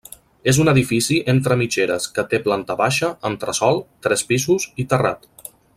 És un edifici entre mitgeres que té planta baixa, entresòl, tres pisos i terrat.